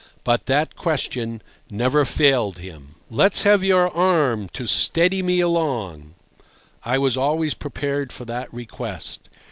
But that question never failed. "Let's have your arm to steady me along." I was always prepared for that request.